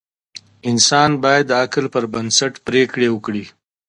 انسان باید د عقل پر بنسټ پریکړې وکړي.